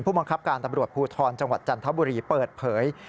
บังคับการตำรวจภูทรจังหวัดจันทบุรีเปิดเผย